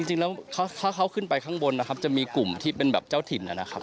จริงแล้วถ้าเขาขึ้นไปข้างบนนะครับจะมีกลุ่มที่เป็นแบบเจ้าถิ่นนะครับ